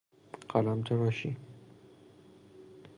قلمتراشی